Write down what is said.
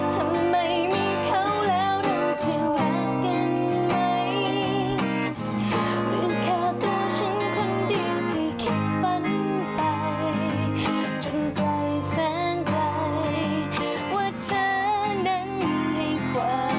สวัสดีค่ะ